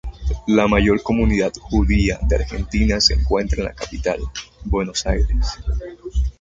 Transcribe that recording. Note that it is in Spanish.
La mayor comunidad judía de Argentina se encuentra en la capital, Buenos Aires.